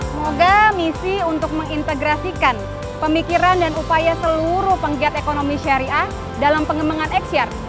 semoga misi untuk mengintegrasikan pemikiran dan upaya seluruh penggiat ekonomi syariah dalam pengembangan exyar